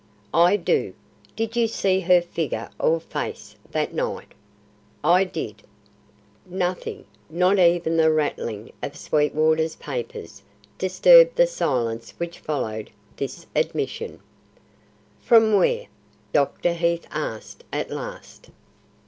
"I do. Did you see her figure or face that night?" "I did." Nothing not even the rattling of Sweetwater's papers disturbed the silence which followed this admission. "From where?" Dr. Heath asked at last.